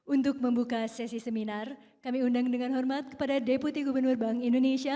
untuk membuka sesi seminar kami undang dengan hormat kepada deputi gubernur bank indonesia